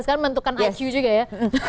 sekarang menentukan icu juga ya